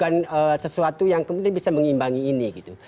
dan mengajukan sesuatu yang kemudian bisa mengimbangi ini gitu